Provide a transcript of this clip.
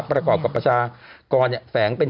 วันนี้เราควรจะดีใจเก้าสิบกว่า